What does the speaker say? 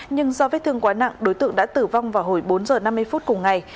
nhưng do vết thương quá nặng đối tượng đã tử vong vào hồi bốn giờ năm mươi phút cùng ngày